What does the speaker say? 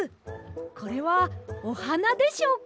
これはおはなでしょうか？